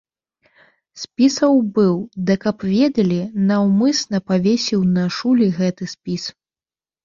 Спісаў быў, ды каб ведалі, наўмысна павесіў на шуле гэты спіс.